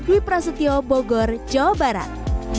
wipra setio bogor jawa barat